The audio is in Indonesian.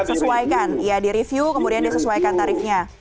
sesuaikan ya di review kemudian disesuaikan tarifnya